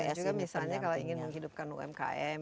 dan juga misalnya kalau ingin menghidupkan umkm